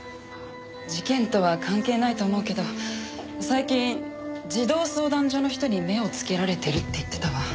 事件とは関係ないと思うけど最近児童相談所の人に目をつけられてるって言ってたわ。